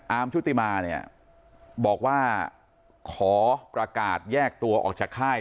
ชุติมาเนี่ยบอกว่าขอประกาศแยกตัวออกจากค่าย